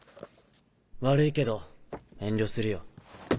悪いけど遠慮するよ。